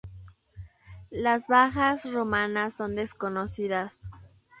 Las bajas romanas son desconocidas.